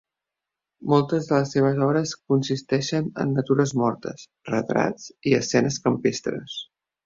Moltes de les seves obres consisteixen en natures mortes, retrats i escenes campestres.